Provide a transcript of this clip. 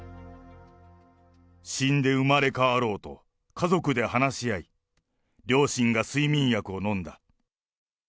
死んで生まれ変わろうと家族で話し合い、両親が睡眠薬を飲んだ。